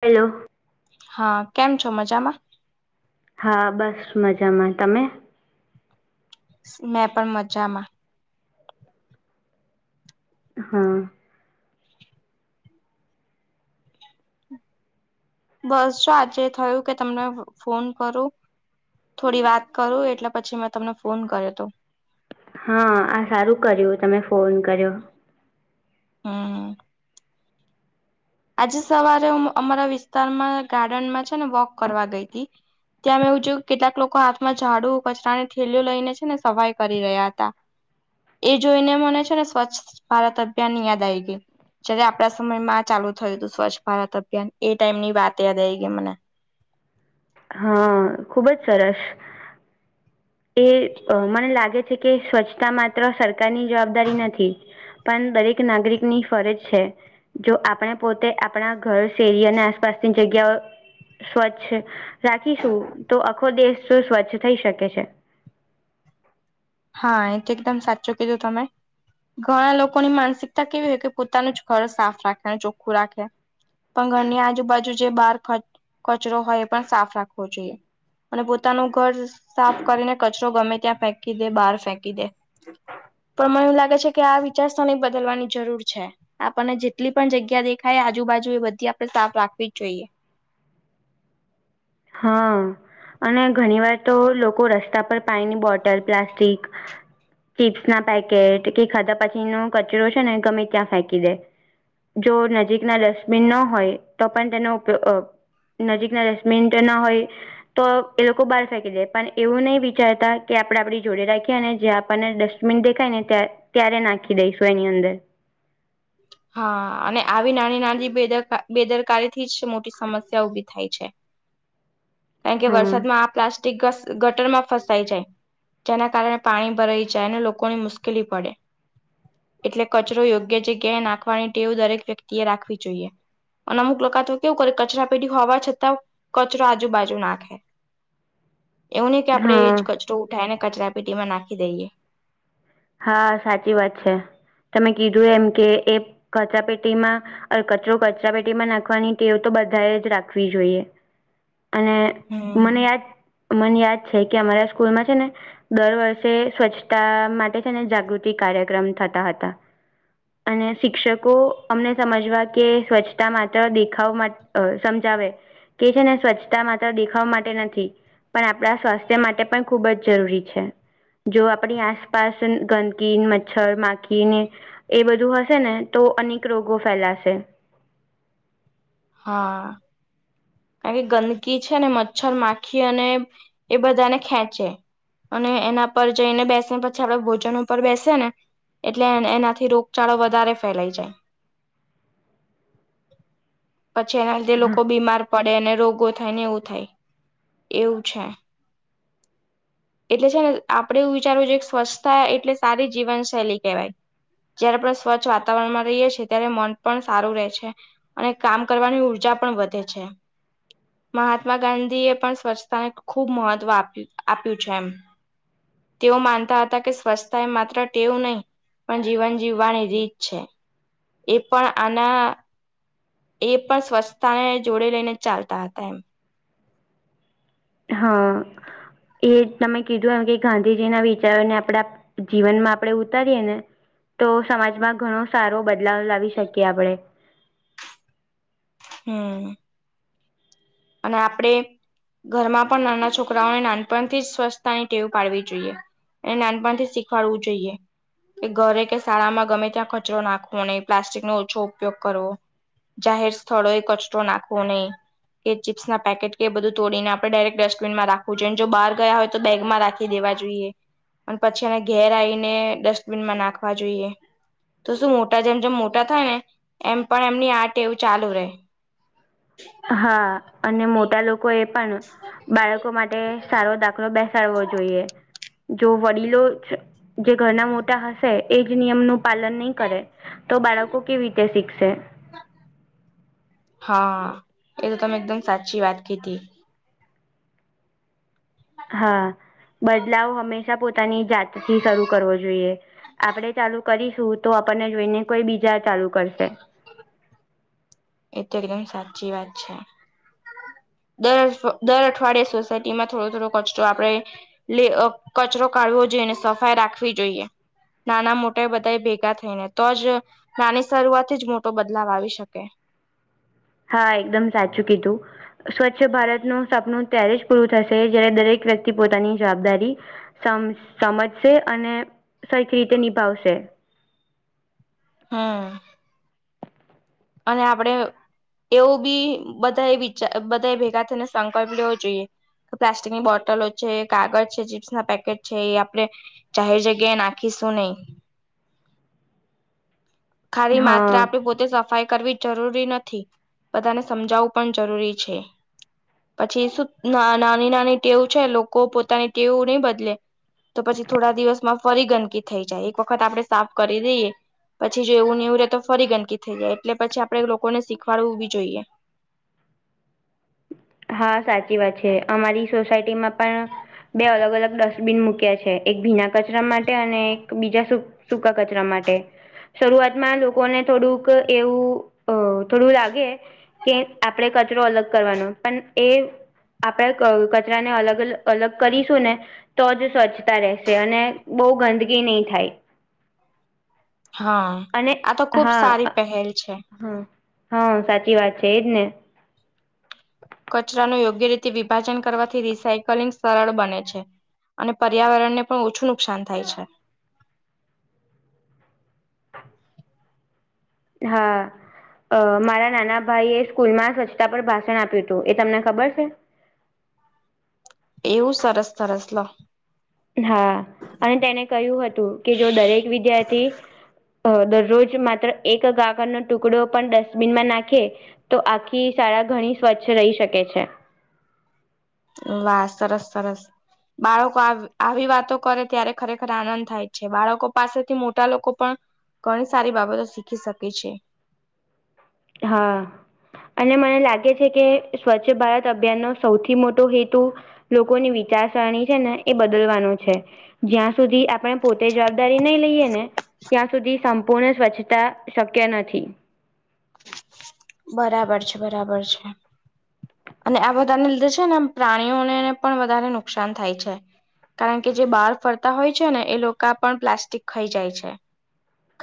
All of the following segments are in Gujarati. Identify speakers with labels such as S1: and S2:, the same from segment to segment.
S1: હલો.
S2: હા કેમ છો મજામાં?
S1: હા બસ મજામાં, તમે?
S2: મેં પણ મજામાં.
S1: હા.
S2: બસ જો આજે થયું કે તમને ફોન કરું થોડી વાત કરું એટલે પછી મેં તમને ફોન કર્યો હતો.
S1: હા આ સારું કર્યું તમે ફોન કર્યો
S2: હમ હ આજે સવારે હું અમારા વિસ્તારમાં ગાર્ડનમાં છે ને વોક કરવા ગઈ હતી. ત્યાં મેં એવુંયું કેટલાક લોકો હાથમાં ાડુ કચરાની થેલીઓ લઈને છે ને સફાઈ કરી રહ્યા હતા. એ જોઈને મને છે ને સ્વચ્છ ભારત અભિયાનની યાદ આ આવી ગય જ્યારે આપડા સમયમાં ચાલુ થયું હતું સ્વચ્છ ભારત અભિયાન એ ટાઈમ ની વાત યાદ આવી ગઈ મને
S1: હા ખુબ જ સરસ એ મને લાગે છે કે સ્વચ્છતા માત્ર સરકારની જવાબદારી નથી. પણ દરેક નાગરિક ની ફરજ છે. જો આપણે પોતે આપણા ઘર શેરી અને આસપાસની જગ્યાઓ સ્વચ્છ રાખીશું તો આખો દેશ તો સ્વચ્છ થઈ શકે છે.
S2: હા એ તો એકદમ સાચો કીધો તમે ઘણા લોકોની માનસિકતા કેવી હોય કે પોતાનું જ ઘર સાફ રાખે અને ચોખ્ખું રાખે પણ ઘરની આજુબાજુ જે બહાર કચરો હોય એ પણ સાફ રાખવો જોઈએ અને પોતાનું ઘર સાફ કરીને કચરો ગમે ત્યાં ફેંકી દે બહાર ફેંકી દે પણ મને એવું લાગે છે કે આ વિચારસરને બદલવાની જરૂર છે. આપણને જેટલી પણ જગ્યા દેખાય આજુબાજુ એ બધી આપડણે સાફ રાખવી જ જોઈએ
S1: હા અને ઘણી વાર તો લોકો રસ્તા પર પાણીની બોટલ પ્લાસ્ટિક ચીપ્સ ના પેકેટ કે ખાધા પછી ન કચરો છે ને ગમે ત્યાં ફેંકી દે જો નજીકના ડસ્ટબિન ન હોય તો પણ તેનો ઉપયોગ નજીકના ડસ્ટબિન તે ના હોય તો એ લોકો બહાર ફેંકી દે પણ એવું નહી વિચારતા કે આપડે આપડી જોડે રાખીએ અને જે આપણને ડસ્ટ મન દેખાય ને ત્યારે નાખી દઈશું એની અંદર
S2: હા અને આવી નાની નાની બેદર બેદરકારી થી જ મોટી સમસ્યા ઉભી થાય છે. કારણ કે
S1: હા
S2: વરસાદમાં આ પ્લાસ્ટિક ગટરમાં ફસાય છે. જેના કારણે પાણી ભરાઈ જાય અને લોકોની મુશ્કેલી પડે એટલે કચરો યોગ્ય છે ક્યા નાખવાની ટેવું દરેક વ્યક્તિ એ રાખવી જોઈએ અનામુક લખતવા કેવું કરે કચરા પેઢી હોવા છતાં કચરો આજબજુ નાખે એવું નહી કે આપડે એ
S1: હા
S2: જ ક સ ઉઠાવ ને કચરા પેટી માં નાખી દઈએ
S1: હા સાચી વાત છે તમે કીધું એમ કે એ કચા પેટીમાં કચરો કચરા પેટીમાં નાખવાની ટેવ તો બધાએ જ રાખવી જોઈએ અને
S2: હમ.
S1: મને આજ મને યાદ છે કે અમારા સ્કૂલમાં છે ને દર વર્ષે સ્વચ્છતા માટઔ અને જાગૃતિ કાર્યક્રમ થતા હતા. અને શિક્ષકો અમને સમજવા કે સ્વચ્છતા માત્ર દેખાવ માટે અ સમજાવે કે છે ને સ્વચ્છતા માત્ર દેખાવા માટે નથી. પણ આપણા સ્વાસ્થ્ય માટે પણ ખૂબ જ જરૂરી છે જો આપણી આસપાસ ગંદકીન મચ્છર માખી એ બધું હશે ને તો અનેક રોગો ફેલાશે
S2: હા કારણ કે ગંદકી છે ને મચ્છર માખી અને એ બધાને ખેંચે અને એના પર જઈને બેસેને પછી આપડ ભોજન પર બેસે ને એટલે એનાથી રોગચાળો વધારે ફેલાઈ જાય
S1: [inaudible]
S2: પછી એના લીધે
S1: હા
S2: લોકો બીમાર પડે અને રોગો થાય ને એવું થાય એવું છે. એટલે છે ને આપડે એવું વિચારવું જો સ્વચ્છતા એટલે સારી જીવનશૈલી કહેવાય. જયારે પણ સ્વચ્છ વાતાવરણમાં રહીએ છ છેીએ ત્યારે મન પણ સારું રહે છે. અને કામ કરવાની ઉર્જા પણ વધે છે. મહાત્મા ગાંધી એ પણ સ્વચ્છતાને ખૂબ મહત્વ આપ આપ્યું છે એમ તેઓ માનતા હતા કે સ્વચ્છતા એ માત્ર ટેવું નહી પણ જીવન જીવવાની રીત છે. એ પણ અને. એ પણ સ્વચ્છતાને જોડે લઈને ચાલતા હતા એમ
S1: હા એ તમે કીધું એમ કે ગાંધીજીના વિચારોને આપડા જીવનમાં આપણે ઉતારીએ ને તો સમાજમાં ઘણો. સારો બદલાવ લાવી શકીએ આપણેે.
S2: હમ. અને આપડે. ઘરમાં પણ નાના છોકરાઓને નાનપણથી જ સ્વચસ્થતાની ટેવ પાડવી જોઈએ. અને નાનપણથી શીખવાડવું જોઈએ. કે ઘરે કે શાળામાં ગમે ત્યાં કચરો નાખવો નહીં પ્લાસ્ટિક નો ઓછો ઉપયોગ કરવો. જાહેર સ્થળોએ કચરો નાખવો નહીં. કે ચિપ્સ ના પેકેટ કે એ બધું તોડીને આપડણે ડાયરેક્ટ ડસ્ટબિનમાં રાખવું જોએ અને જો બાર ગયા હોય તો બેગમાં રાખ નાખી દેવા જોઈએ અને પછી એને ઘેર આવીને ડસ્ટબીનમાં નાખવા જોઈએ. તો શું મોટા જેમ જેમ મોટા થાય ને એમ પણ એમની આર્ટ એવું ચાલુ રહે.
S1: હા અને મોટા લોકો એ પણ બાળકો માટે માટે સારો દાખલો બેસાડવો જોઈએ જો વડીલો જે ઘરના મોટા હશે એજ નિયમનું પાલન નહી કરે તો બાળકો કેવી રીતે શીખશે
S2: હા એ તો તમે એકદમ સાચી વાત કીધી
S1: હા બદલાવ હંમેશા પોતાની જાતથી શરૂ કરવો જોઈએ. આપણે ચાલુ કરીશું તો આપણને જોઈને કોઈ બીજા ચાલુ કરશે.
S2: એ તો એકદમ સાચી વાત છે. દર દર અઠવાડયે સોસાયટી માં થોડો થોડો કચરો આપણે કચરો કાઢવો જોઈએને સફાઈ રાખવી જોઈએ. નાના મોટા બધા ભેગા થઈને તો જ નાની શરૂઆતથી જ મોટો બદલાવ આવી શકે.
S1: હા એકદમ સાચું કીધું સ્વચ્છ ભારતનું સપનું ત્યારે જ પૂરું થશે જય્યારે દરેક વ્યક્તિ પોતાની જવાબદારી સમ સમજશે અને સરખી રીતે નિભાવશે
S2: હમ્મ અને આપડે એવું બી બધાએ વિચાર બધાએ ભેગા થઈને સંકલ્પ લેવો જોઈએ પ્લાસ્ટિકની બોટલો છે કાગજ છે ચીપ્સ ના પેકેટ છે એ આપણે જાહેર જગ્યાએ નાખી શું નહી. ખાલી માત્ર
S1: હા
S2: આપડે તે સફાઈ કરવી જરૂરી નથી બધાને સમજાવવું પણ જરૂરી છે. પછી શું નાની નાની ટેવ છે લોકો પોતાની ટેવું નહી બદલે તો પછી થોડા દિવસમાં ફરી ગંદકી થઈ જાય એક વખત આપણે સાફ કરી દઈએ પછી જો એવું ને એવું રે તો ફરી ગંદકી થઈ જાય એટલે પછી આપડે લોકોને શીખવાડવું બી જોઈએ
S1: હા સાચી વાત છે અમારી સોસાયટીમાં પણ બે અલગ અલગ ડસ્ટબીન મૂક્યા છે એક ભીના કચરા માટે અને એક બીજા સૂકા કચરા માટે શરૂઆતમાં લોકોને થોડુંક એવું અ થોડું લાગે કે આપણેે કચરો અલગ કરવાનો પણ એ આપણે ક કચરાને અલગ લગ અલગ કરીશું ને તો જ સ્વચ્છતા રહેશે અને બહુ ગંદગી નહીં થાય.
S2: હા.
S1: અને
S2: આ તો ખુબ
S1: હા
S2: સારી પહેલ છે.
S1: હા હા. સાચી વાત છે એજ ને.
S2: કચરાનું યોગ્ય રીતે વિભાજન કરવાથી રિસાયકલિંગ સરળ બને છે. અને પર્યાવરણને પણ ઓછું નુકસાન થાય છે.
S1: હા અ મારા નાના ભાઈએ સ્કૂલમાં સ્વચ્છતા પર ભાષણ આપ્યુંતું. એ તમને ખબર છે?
S2: એવું સરસ સરસ લો.
S1: હા અને તેને કહ્યું હતું કે જો દરેક વિદ્યાર્થી દરરોજ માત્ર એક કાકરનો ટુકડો પણ ડસ્ટબિનમાં નાખે તો આખ્ખી શાળા ઘણી સ્વચ્છ રહી શકે છે.
S2: વાહ! સરસ સરસ! બાળકો આવ આવી વાતો કરે ત્યારે ખરેખર આનંદ થાય છે. બાળકો પાસેથી મોટા લોકો પણ ઘણી સારી બાબતો શીખી શકે છે.
S1: હા અને મને લાગે છે કે સ્વચ્છ ભારત અભિયાનનો સૌથી મોટો હેતુ લોકોની વિચારસરણી છેને. એ બદલવાનું છે. જ્યાં સુધી આપણે પોતે જવાબદારી નહી લઈએ ને ત્યાં સુધી સંપૂર્ણ સ્વચ્છતા શક્ય નથી.
S2: બરાબર છે. બરાબર છે. અને આ બધાને લીધે છેને આમ પ્રાણીઓને ને પણ વધારે નુકસાન થાય છે કારણ કે જે બહાર ફરતા હોય છેને એ લોકો પણ પ્લાસ્ટિક ખાઈ જાય છે.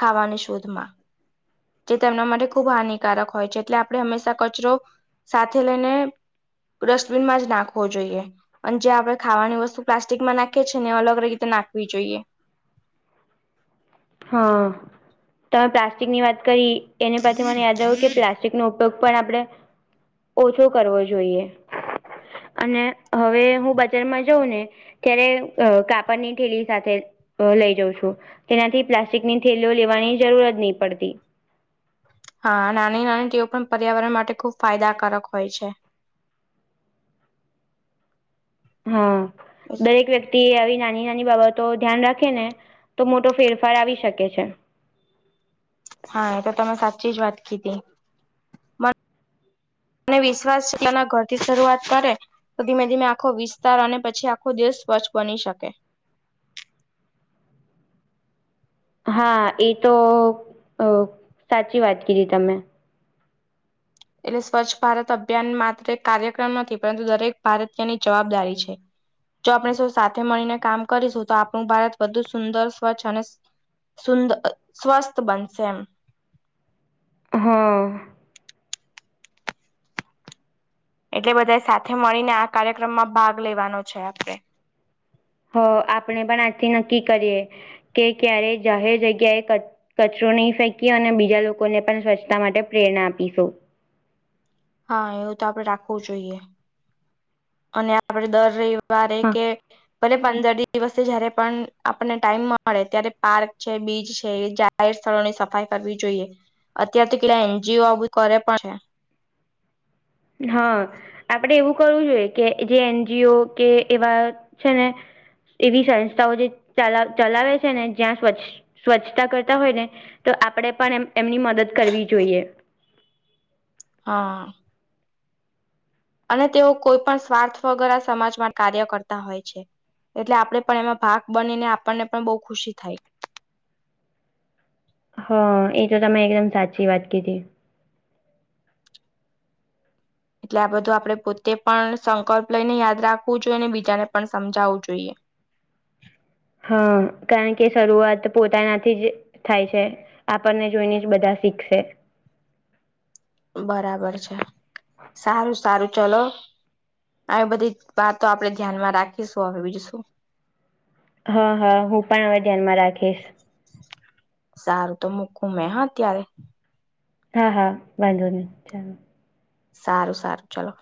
S2: ખાવાની શોધમાં. જે તેમના માટે ખુબ હાનિકારક હોય છે એટલે આપણે હંમેશા કચરો સાથે લઈને ડસ્ટબિનમાં જ નાખવો જોઈએ. અને જે આપણે ખાવાની વસ્તુ પ્લાસ્ટિકમાં નાખીએ છીને અલગ અલગ રીતે નાખવી જોઈએ.
S1: હા. તમે પ્લાસ્ટિકની વાત કરી એને પછી મને યાદ આવું કે પ્લાસ્ટિક નો ઉપયોગ પણ આપણે ઓછો કરવો જોઈએ અને હવે હું બજારમાં જઉં ને ત્યારે કાપડની ઠેૂલી સાથે લઈ જઉં છું તેનાથી પ્લાસ્ટિકની થેલીઓ લેવાની જરૂર જ નહીં પડતી.
S2: હા નાની નાની ટેવ પણ પર્યાવરણ માટે ખુબ ફાયદાકારક હોય છે
S1: હા દરેક વ્યક્તિ આવી નાની નાની બાબતો ધ્યાન રાખે ને તો મોટો ફેરફાર આવી શકે છે
S2: હા એ તો તમે સાચી જ વાત કીધી મ અને વિશ્વાસ છે એટલાના ઘર થી શરૂઆત કરે તો ધીમે ધીમે આખો વિસ્તાર અને પછી આખો દેશ સ્વચ્છ બની શકે.
S1: હા એ તો સાચી વાત કીધી તમે.
S2: એટલે સ્વચ્છ ભારત અભિયાન માત્ર એક કાર્યક્રમ નથી પરંતુ દરેક ભારતીયની જવાબદારી છે જો આપણે ઔ સાથે મળીને કામ કરીશું તો આપણું ભારત વધુ સુંદર સ્વચ્છ અને સુંદ સ્વસ્થ બનશે એમ.
S1: હમ્મ
S2: એટલે બધા સાથે મળીને આ કાર્યક્રમમાં ભાગ લેવાનો છે આપણે
S1: હ આપણે પણ આજથી નક્કી કરીએ કે ક્યારે જાહેર જગ્યાએ કચ કચરો નહી ફેંકીએ અને બીજા લોકોને પણ સ્વચ્છતા માટે પ્રેરણા આપીશું
S2: હા એવું તો આપડે રાખવું જોઈએ. અને આપડે દર રયવારે
S1: હા.
S2: કે ભલે પંદર દિવસે જયારે પણ આપણને ટાઈમ મળે ત્યારે પાર્ક છે બીચ છે જાર સ્થળોની સફાઈ કરવી જોઈએ અત્યાર તો કેટલા એનજીઓ કરે પણ છે
S1: હા આપડે એવું કરવું જોઈએ કે જે એનજીઓ કે એવા છે ને એવી સંસ્થાઓ જે ચલા ચલાવે છે ને જ્યાં સ્વચ્છ સ્વચ્છતા કરતા હોય ને તો આપણેે પણ એમ એમની મદદ કરવી જોઈએ
S2: હા અને તેઓ કોઈ પણ સ્વાર્થ વગેર સમાજમાં કાર્ય કરતા હોય છે એટલે આપણે પણ એમાં ભાગ બનીને આપણને પણ બહુ ખુશી થાય.
S1: હા, એ તો તમે એકદમ સાચી વાત કીધી.
S2: એટલે આ બધું આપડે પોતે પણ સંકલ્પ લઈને યાદ રાખવું જોઈએ, અને બીજાને પણ સમજાવવું જોઈએ.
S1: હા! કારણ કે શરૂઆત પોતાનાથી જ થાય છે. આપણને જોઈનેજ બધા શીખશે.
S2: બરાબર છે, સારું સારું ચલો. આવી બધી વાતતો આપડે ધ્યાનમાં રાખીશું હવે બીજું શું.
S1: હમ્મ હમ્મ, હું પણ હવે ધ્યાનમાં રાખીશ.
S2: સારું, તો મૂકું મેં હ અત્યારે.
S1: હા હા વાંધો નહીં, ચાલો.
S2: સારું સારું, ચલો.